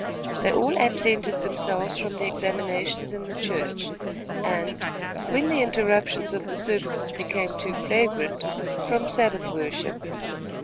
They all absented themselves from the examinations in the church, and, when the interruptions of the services became too flagrant, from Sabbath worship.